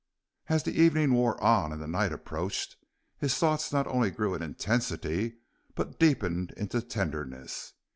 As the evening wore on and the night approached, his thoughts not only grew in intensity, but deepened into tenderness.